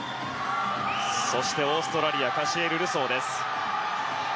そしてオーストラリアカシエル・ルソーです。